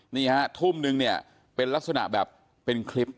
นี่ฮะทุ่ม๑เป็นลักษณะแบบเป็นคลิป